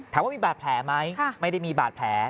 ถามว่ามีบาดแผลไหมไม่ได้มีบาดแผล